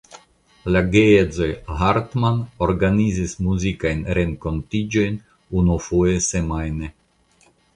La geedzoj Hartmann organizis muzikajn renkontiĝojn unufoje semajne.